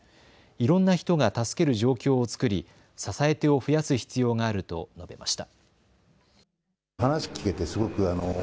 いろんな人が助ける状況を作り支え手を増やす必要があると述べました。